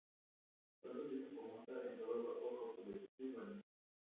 Pronto se hizo famosa en toda Europa por su belleza y valentía.